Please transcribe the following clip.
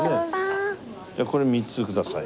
これ３つください。